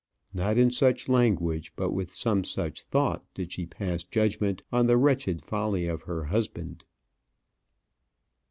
Not in such language, but with some such thought, did she pass judgment on the wretched folly of her husband.